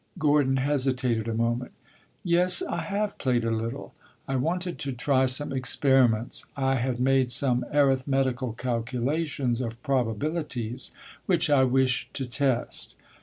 Gordon hesitated a moment. "Yes, I have played a little. I wanted to try some experiments. I had made some arithmetical calculations of probabilities, which I wished to test."